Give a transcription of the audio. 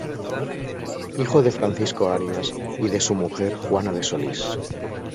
Hijo de Francisco Arias y de su mujer Juana de Solís.